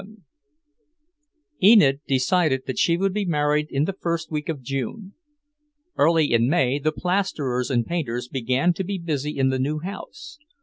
XI Enid decided that she would be married in the first week of June. Early in May the plasterers and painters began to be busy in the new house.